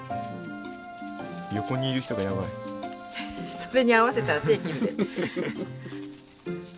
それに合わせたら手切るで。